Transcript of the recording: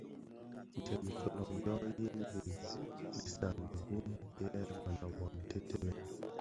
Dièm i kilōň yo yin di dhisaňdèn bum yè mënōbō ntètèbèn.